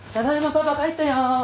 パパ帰ったよ。